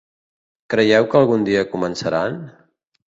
Creieu que algun dia començaran?